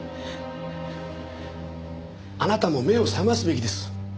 あなたも目を覚ますべきです。